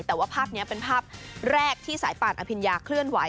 แต่ว่าภาพนี้เป็นภาพแรกที่สายป่านอภิญญาเคลื่อนไหว